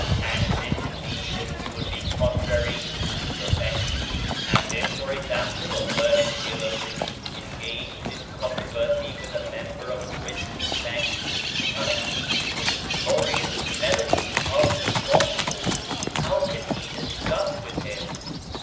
And this indeed would be contrary to perfection. And if, for example, a learned theologian, en gaged in controversy with a member of a Christian sect, be unacquainted with the glorious melodies of the Gospel, how can he discuss with him?